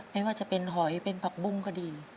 ไม่ว่าจะเป็นหอยเป็นผักบุ้งก็ดี